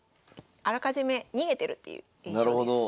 あらかじめ逃げてるっていう印象です。